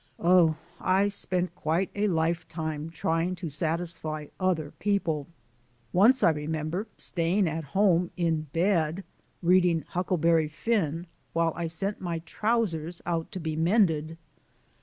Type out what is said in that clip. Oh, I spent quite a lifetime trying to satisfy other people! Once I remember staying at home, in bed, reading "Huckleberry Finn," while I sent my trousers out to be mended.